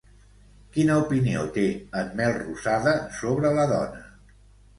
Quina opinió té en Melrosada sobre la dona?